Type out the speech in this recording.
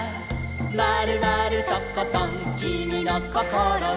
「まるまるとことんきみのこころは」